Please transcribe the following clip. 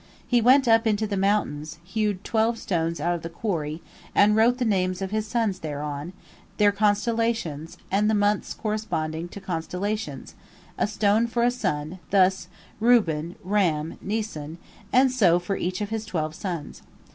He went up into the mountains, hewed twelve stones out of the quarry, and wrote the names of his sons thereon, their constellations, and the months corresponding to the constellations, a stone for a son, thus, "Reuben, Ram, Nisan," and so for each of his twelve sons.